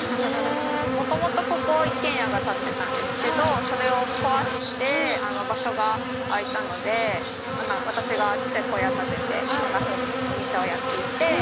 元々ここ一軒家が立ってたんですけどそれを壊して場所が空いたので私が小っちゃい小屋立ててこんなふうにお店をやっていて。